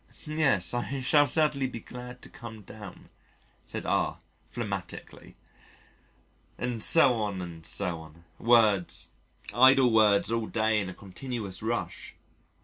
"Yes, I shall certainly be glad to come down," said R , phlegmatically. And so on and so on. Words, idle words all day in a continuous rush.